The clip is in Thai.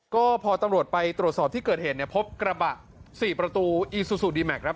ก็พอตำรวจไปตรวจสอบที่เกิดเหตุเนี่ยพบกระบะ๔ประตูอีซูซูดีแมคครับ